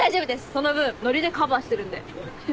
その分ノリでカバーしてるんで。